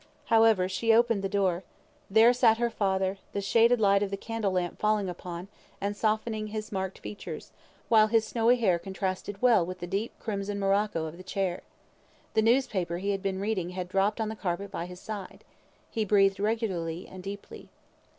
However, she opened the door. There sat her father, the shaded light of the candle lamp falling upon, and softening his marked features, while his snowy hair contrasted well with the deep crimson morocco of the chair. The newspaper he had been reading had dropped on the carpet by his side. He breathed regularly and deeply.